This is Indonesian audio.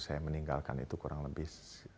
saya meninggalkan itu kurang lebih